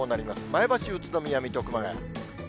前橋、宇都宮、水戸、熊谷。